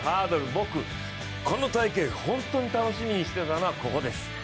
僕、この大会、本当に楽しみにしていたのは、ここです。